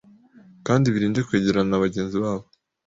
kandi birinde kwegerana na bagenzi babo